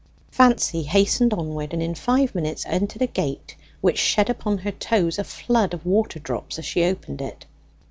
Fancy hastened onward, and in five minutes entered a gate, which shed upon her toes a flood of water drops as she opened it.